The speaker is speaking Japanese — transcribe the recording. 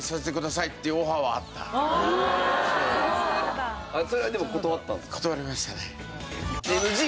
ただあのそれはでも断ったんですか？